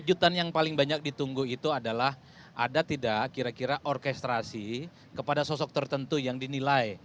kejutan yang paling banyak ditunggu itu adalah ada tidak kira kira orkestrasi kepada sosok tertentu yang dinilai